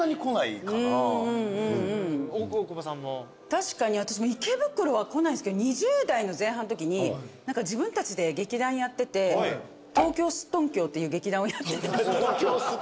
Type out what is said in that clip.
確かに私も池袋は来ないんですけど２０代の前半のときに自分たちで劇団やってて東京すっとんきょっていう劇団をやってた。